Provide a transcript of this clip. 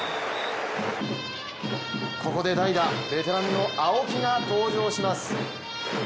ここで代打、ベテランの青木が登場します。